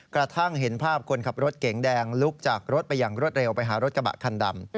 กระทั่งเห็นภาพคนขับรถเก๋งแดงลุกจากรถไปอย่างรวดเร็วไปหารถกระบะคันดำ